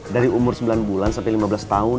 dari umur sembilan bulan sampai lima belas tahun